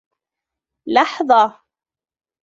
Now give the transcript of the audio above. لحظة...